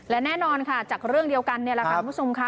และแน่นอนค่ะจากเรื่องเดียวกันคุณผู้ชมค่ะ